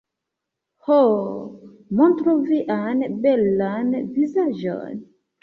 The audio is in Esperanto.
Ho... montru vian belan vizaĝon